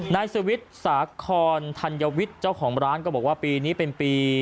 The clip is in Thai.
นายสวิทย์สาคอนธัญวิทย์เจ้าของร้านก็บอกว่าปีนี้เป็นปี